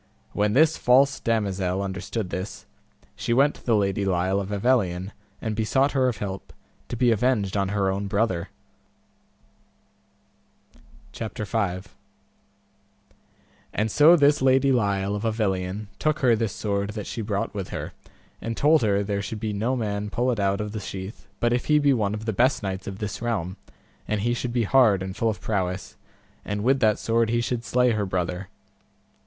When this false damosel understood this, she went to the Lady Lile of Avelion, and besought her of help, to be avenged on her own brother. CHAPTER V. How Balin was pursued by Sir Lanceor, knight of Ireland, and how he jousted and slew him. And so this Lady Lile of Avelion took her this sword that she brought with her, and told there should no man pull it out of the sheath but if he be one of the best knights of this realm, and he should be hard and full of prowess, and with that sword he should slay her brother.